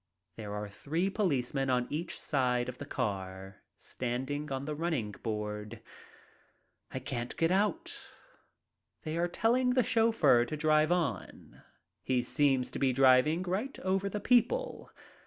There are three policemen on each side of the car, standing on the running board. I can't get out. They are telling the chauffeur to drive on. He seems to be driving right over the people.